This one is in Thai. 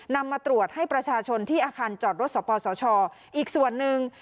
มาตรวจให้ประชาชนที่อาคารจอดรถสปสชอีกส่วนหนึ่ง